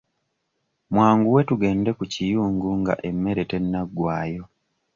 Mwanguwe tugende ku kiyungu nga emmere tennaggwayo.